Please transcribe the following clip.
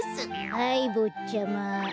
はいぼっちゃま。